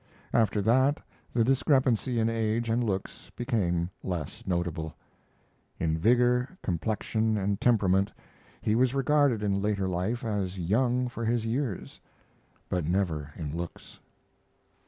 After that the discrepancy in age and looks became less notable. In vigor, complexion, and temperament he was regarded in later life as young for his years, but never in looks.